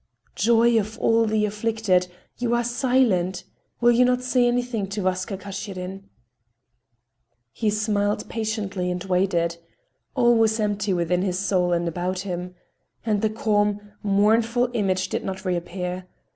"Joy of all the afflicted! You are silent! Will you not say anything to Vaska Kashirin?" He smiled patiently and waited. All was empty within his soul and about him. And the calm, mournful image did not reappear.